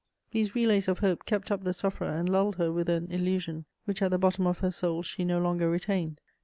These relays of hope kept up the sufferer, and lulled her with an illusion which at the bottom of her soul she no longer retained.